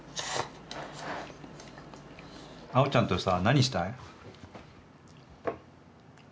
あおちゃんとさ何したい？